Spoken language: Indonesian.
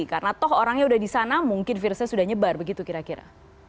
karena toh orangnya sudah di sana mungkin virusnya sudah nyebar begitu kira kira